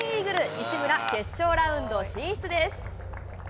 西村、決勝ラウンド進出です。